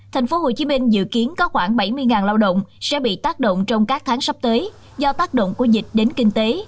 tp hcm dự kiến có khoảng bảy mươi lao động sẽ bị tác động trong các tháng sắp tới do tác động của dịch đến kinh tế